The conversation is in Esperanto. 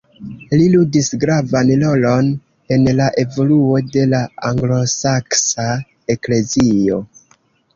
Li ludis gravan rolon en la evoluo de la anglosaksa eklezio.